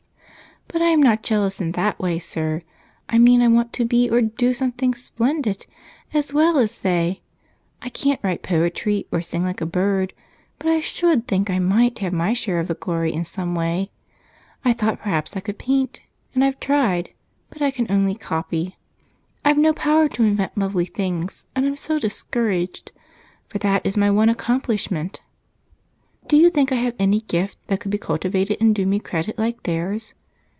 "But I am not jealous in that way, sir. I mean I want to be or do something splendid as well as they. I can't write poetry or sing like a bird, but I should think I might have my share of glory in some way. I thought perhaps I could paint, and I've tried, but I can only copy I've no power to invent lovely things, and I'm so discouraged, for that is my one accomplishment. Do you think I have any gift that could be cultivated and do me credit like theirs?"